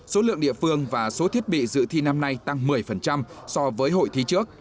số lượng địa phương và số thiết bị dự thi năm nay tăng một mươi so với hội thi trước